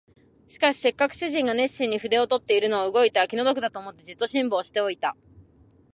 しかしせっかく主人が熱心に筆を執っているのを動いては気の毒だと思って、じっと辛抱しておった